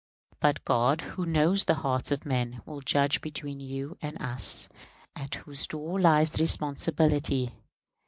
But God, who knows the hearts of men, will judge between you and us, at whose door lies the responsibility.